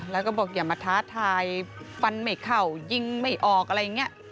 แล้วก็บอกอย่ามาท้าทายฟันไม่เข้ายิงไม่ออกอะไรอย่างนี้